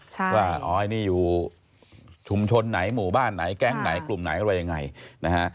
ใช่ว่าออยนี่อยู่ชุมชนไหนหมู่บ้านไหนแก๊งไหนกลุ่มไหนอะไรยังไงนะฮะ